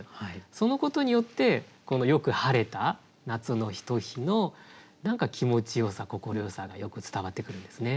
そのことによってこのよく晴れた夏のひと日の何か気持ちよさ快さがよく伝わってくるんですね。